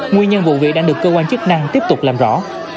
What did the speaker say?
nguyên nhân vụ vị đã được cơ quan chức năng tiếp tục làm rõ